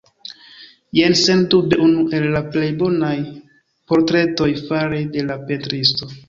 Jen sendube unu el la plej bonaj portretoj fare de la pentristo.